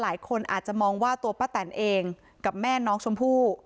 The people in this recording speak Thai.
หลายคนอาจจะมองว่าตัวป้าแตนเองกับแม่น้องชมพู่